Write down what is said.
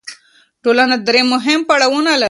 ټولنه درې مهم پړاوونه لري.